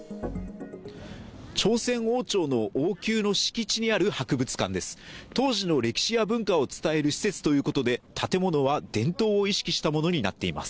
朝鮮王朝の王宮の敷地にある博物館です。